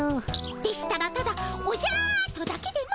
でしたらただ「おじゃ」とだけでも。